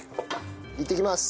いってきます。